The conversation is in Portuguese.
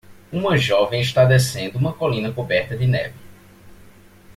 Uma jovem está descendo uma colina coberta de neve.